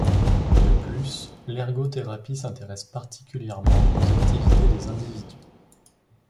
De plus, l'ergothérapie s'intéresse particulièrement aux activités des individus.